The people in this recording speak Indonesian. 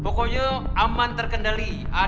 pokoknya aman terkendali